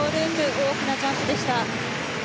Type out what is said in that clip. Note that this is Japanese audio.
大きなジャンプでした。